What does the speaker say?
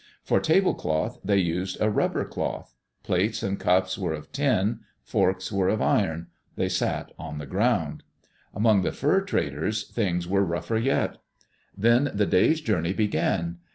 For table cloth, they used a rubber cloth. Plates and cups were of tin. Forks were of iron. They sat on the ground. Among the fur traders, things were rougher yet. Then the day's journey began.